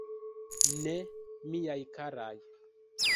Ne, miaj karaj.